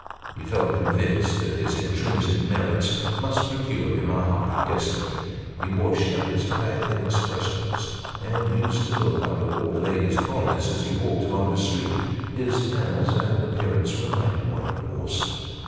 He felt convinced that his intrinsic merits must procure him a high destiny. He wore shepherd's plaid inexpressibles, and used to look under all the ladies' bonnets as he walked along the streets. His manners and appearance reminded one of Orson.